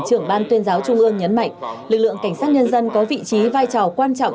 trưởng ban tuyên giáo trung ương nhấn mạnh lực lượng cảnh sát nhân dân có vị trí vai trò quan trọng